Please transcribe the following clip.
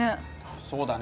そうだね。